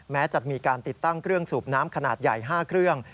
แม้จะมีการติดตั้งเครื่องสูบน้ำขนาดใหญ่๕เครื่อง